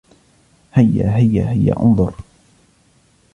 هيا, هيا, هيا, أُنظُر.